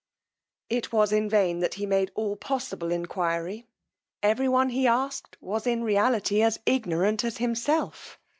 It was in vain that he made all possible enquiry: every one he asked was in reality as ignorant as himself.